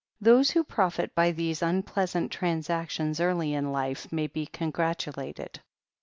Those who profit by these unpleasant transactions early in life may be congratulated.